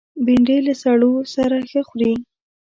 بېنډۍ له سړو سره ښه خوري